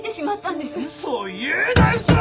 嘘を言うな嘘を！